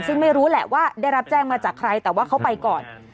ซึ่งไม่รู้แหละว่าได้รับแจ้งมาจากใครแต่ว่าเขาไปก่อน